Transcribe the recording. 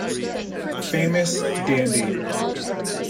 famous Dandi